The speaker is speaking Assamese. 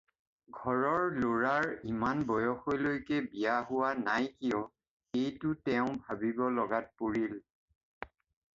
ঘৰৰ ল'ৰাৰ ইমান বয়সলৈকে বিয়া হোৱা নাই কিয় এইটো তেওঁ ভাবিব লগাত পৰিল।